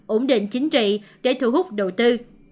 ổn định chính trị để thu hút đầu tư